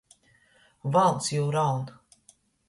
Valns jū raun!